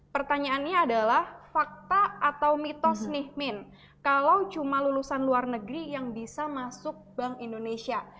pertanyaannya adalah fakta atau mitos nih min kalau cuma lulusan luar negeri yang bisa masuk bank indonesia